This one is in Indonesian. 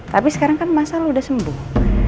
tapi sekarang kan mas al udah sembuh